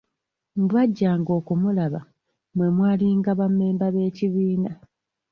Mu bajjanga okumulaba, mwe mwalinga ba mmemba b'ekibiina.